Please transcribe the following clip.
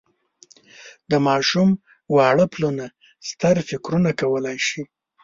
د ماشوم واړه پلونه ستر فکرونه کولای شي.